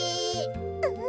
うん。